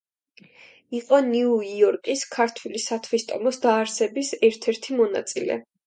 იყო ნიუ-იორკის ქართული სათვისტომოს დაარსების ერთ-ერთი მონაწილე.